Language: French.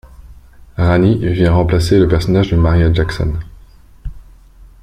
Rani vient remplacer le personnage de Maria Jackson.